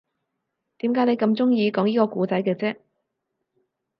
點解你咁鍾意講依個故仔嘅啫